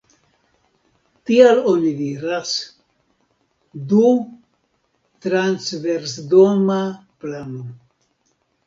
Tial oni diras „du-transversdoma plano“.